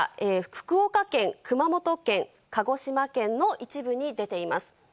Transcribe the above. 福岡県、熊本県、鹿児島県の一部に出ています。